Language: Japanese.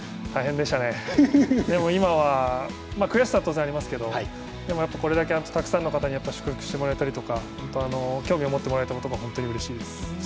でも、今は悔しさは当然ありますけどこれだけたくさんの方に祝福してもらえたりとか、興味を持ってもらえたことが本当にうれしいです。